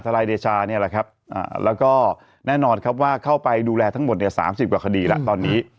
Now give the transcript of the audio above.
นายเดชาเนี่ยแหละครับแล้วก็แน่นอนครับว่าเข้าไปดูแลทั้งหมด๓๐กว่าคดีแล้วตอนนี้